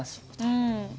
うん。